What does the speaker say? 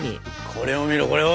これを見ろこれを。